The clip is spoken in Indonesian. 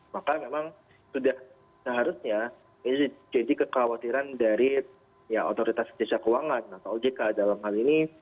maka memang sudah seharusnya ini jadi kekhawatiran dari otoritas jasa keuangan atau ojk dalam hal ini